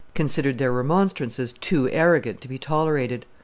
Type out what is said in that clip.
considered their remonstrances too arrogant to be tolerated.